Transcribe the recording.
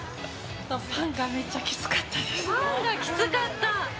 パンがめっちゃきつかったです。